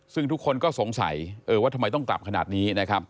ซึ่งทุกคนก็สงสัยว่าทำไมต้องกลับขนาดนี้นะครับ